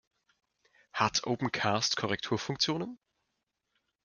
Hat Opencast Korrekturfunktionen?